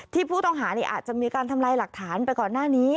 ผู้ต้องหาอาจจะมีการทำลายหลักฐานไปก่อนหน้านี้